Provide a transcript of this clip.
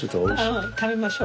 うん食べましょう。